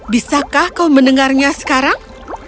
bisakah kau mendengarnya sekarang